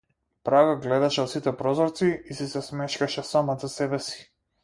Прага гледаше од сите прозорци и си се смешкаше самата себеси.